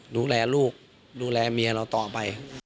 ดูแลลูกดูแลเมียเราต่อไป